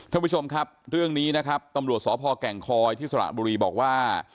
ท่านผู้ชมครับเรื่องนี้นะครับตำรวจสพแก่งคอยที่สระบุรีบอกว่า